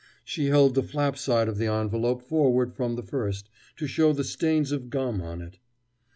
She held the flap side of the envelope forward from the first, to show the stains of gum on it.